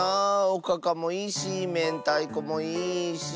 おかかもいいしめんたいこもいいし。